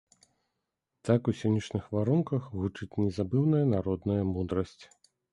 Так у сённяшніх варунках гучыць незабыўная народная мудрасць.